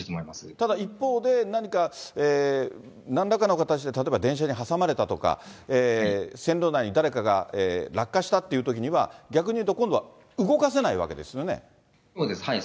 ただ一方で、なんらかの形で例えば電車に挟まれたとか、線路内に誰かが落下したっていうときには、逆に言うと、そうです。